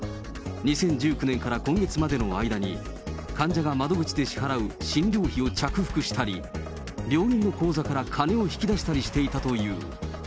２０１９年から今月までの間に、患者が窓口で支払う診療費を着服したり、病院の口座から金を引き出したりしていたという。